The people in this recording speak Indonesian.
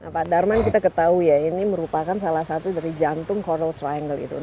pak darman kita ketahui ya ini merupakan salah satu dari jantung coral triangle itu